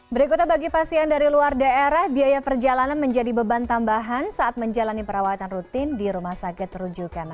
berikutnya bagi pasien dari luar daerah biaya perjalanan menjadi beban tambahan saat menjalani perawatan rutin di rumah sakit rujukan